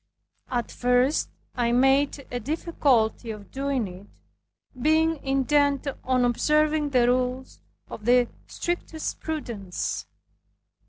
At first I made a difficulty of doing it, being intent on observing the rules of the strictest prudence.